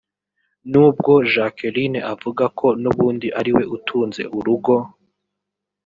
Mu bwo Jacqueline avuga ko n’ubundi ariwe utunze urugo